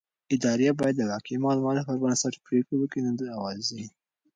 ادارې بايد د واقعي معلوماتو پر بنسټ پرېکړې وکړي نه د اوازې.